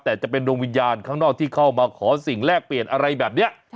แต่จะเป็นดวงวิญญาณข้างนอกที่เข้ามาขอสิ่งแลกเปลี่ยนอะไรแบบนี้